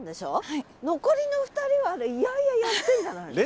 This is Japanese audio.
残りの２人はあれいやいややってんじゃないの？